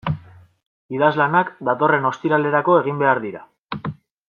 Idazlanak datorren ostiralerako egin behar dira.